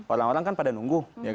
orang orang kan pada nunggu